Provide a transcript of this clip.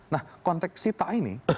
nah konteks cita ini